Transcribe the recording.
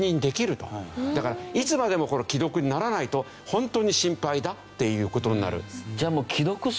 だからいつまでも既読にならないと本当に心配だっていう事になる。